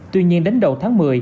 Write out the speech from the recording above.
tuy nhiên đến đầu tháng một mươi